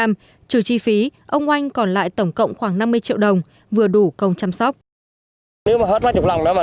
trừ chi phí ông oanh còn lại tổng cộng khoảng năm mươi triệu đồng vừa đủ công chăm sóc